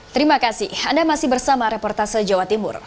terima kasih anda masih bersama reportase jawa timur